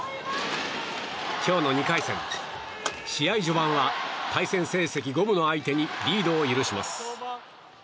今日の２回戦、試合序盤は対戦成績五分の相手にリードを許します。